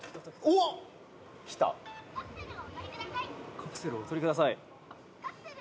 「“カプセルをお取りください”」